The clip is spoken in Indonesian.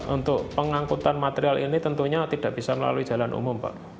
untuk pengangkutan material ini tentunya tidak bisa melalui jalan umum pak